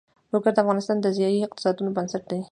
لوگر د افغانستان د ځایي اقتصادونو بنسټ دی.